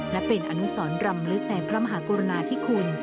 และเป็นอนุสรำลึกในพระมหากรุณาธิคุณ